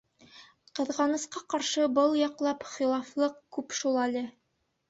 Ҡыҙғанысҡа ҡаршы, был яҡлап хилафлыҡ күп шул әле.